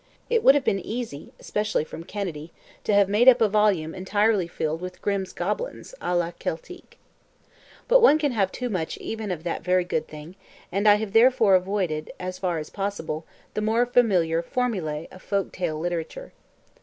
It would have been easy, especially from Kennedy, to have made up a volume entirely filled with "Grimm's Goblins" à la Celtique. But one can have too much even of that very good thing, and I have therefore avoided as far as possible the more familiar "formulae" of folk tale literature.